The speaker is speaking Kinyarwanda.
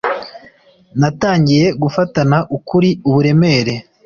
natangiye gufatana ukuri uburemere